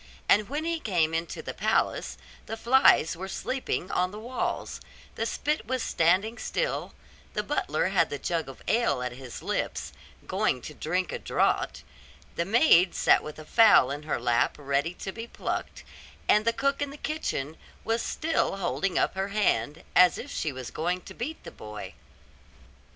And when he came into the palace, the flies were sleeping on the walls; the spit was standing still; the butler had the jug of ale at his lips, going to drink a draught; the maid sat with a fowl in her lap ready to be plucked; and the cook in the kitchen was still holding up her hand, as if she was going to beat the boy.